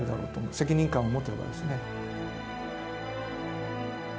責任感を持ってればですね。